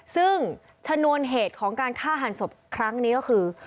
ซึ่งชนวนเหตุของการฆ่าหันศพครั้งนี้ก็คือ